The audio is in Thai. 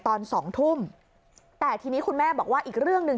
ตอนสองทุ่มแต่ทีนี้คุณแม่บอกว่าอีกเรื่องหนึ่ง